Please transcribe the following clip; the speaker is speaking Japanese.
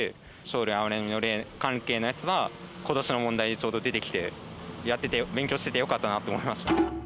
生類憐みの令関係のやつは今年の問題にちょうど出てきてやってて勉強しててよかったなと思いました。